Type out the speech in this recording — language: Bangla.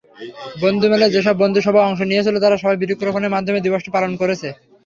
বন্ধুমেলায় যেসব বন্ধুসভা অংশ নিয়েছিল, তারা সবাই বৃক্ষরোপণের মাধ্যমে দিবসটি পালন কেরছে।